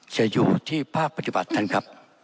จะอยู่ที่ภาคปฏิบัติท่านครับ